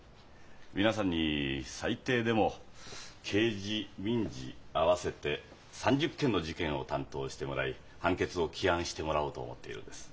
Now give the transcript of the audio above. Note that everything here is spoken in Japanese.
皆さんに最低でも刑事民事合わせて３０件の事件を担当してもらい判決を起案してもらおうと思っているんです。